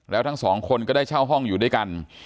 แล้วทั้งสองคนก็ได้เช่าห้องอยู่ด้วยกัน